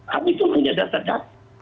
tapi itu punya data data